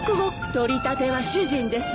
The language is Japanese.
取りたては主人ですわ。